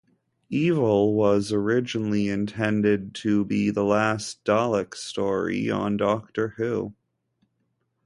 "Evil" was initially intended to be the last Dalek story on "Doctor Who".